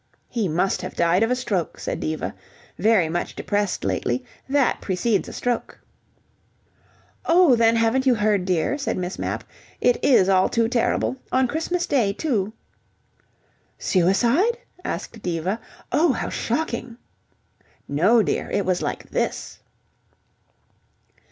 "He must have died of a stroke," said Diva. "Very much depressed lately. That precedes a stroke." "Oh, then, haven't you heard, dear?" said Miss Mapp. "It is all too terrible! On Christmas Day, too!" "Suicide?" asked Diva. "Oh, how shocking!" "No, dear. It was like this.